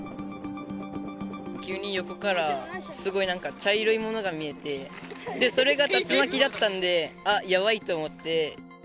急に横からすごいなんか、茶色いものが見えて、それが竜巻だったんで、あ、やばいと思って。